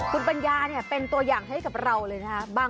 คุณปัญญาเนี่ยเป็นตัวอย่างให้กับเราเลยนะคะ